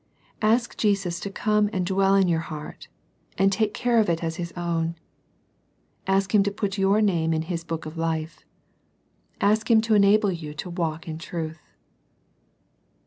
Ask Jesus to come and dwell in your heart, and take care of it as His own, — ^ask Him to put your name in His book of life, — ask Him to enable you to walk in truth.